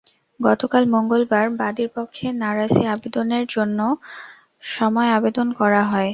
গতকাল মঙ্গলবার বাদীর পক্ষে নারাজি আবেদনের জন্য সময় আবেদন করা হয়।